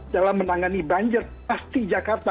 dalam menangani banjir pasti jakarta